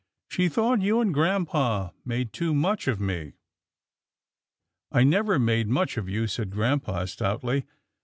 She thought you and grampa made too much of me." " I never made much of you," said grampa, stoutly.